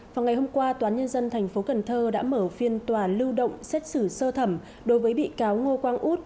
vào ngày hôm qua toán nhân dân tp cần thơ đã mở phiên tòa lưu động xét xử sơ thẩm đối với bị cáo ngô quang út